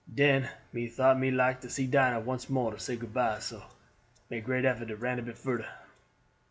Den me thought me like to see Dinah once more to say good by, so make great effort and ran a bit furder."